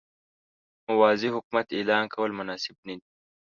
موازي حکومت اعلان کول مناسب نه دي.